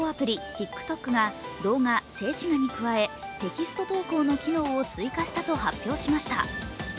ＴｉｋＴｏｋが動画・静止画に加え、テキスト投稿の機能を追加したと発表しました。